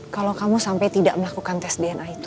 kalau kamu sampai tidak melakukan tes dna itu